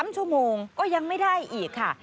๓ชั่วโมงก็ยังไม่ได้อีกค่ะ